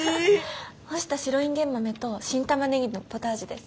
干した白いんげん豆と新タマネギのポタージュです。